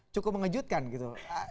cukup mengejutkan gitu